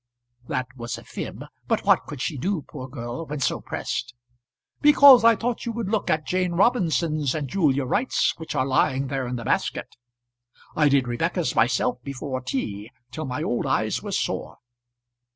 That was a fib; but what could she do, poor girl, when so pressed? "Because I thought you would look at Jane Robinson's and Julia Wright's which are lying there in the basket. I did Rebecca's myself before tea, till my old eyes were sore."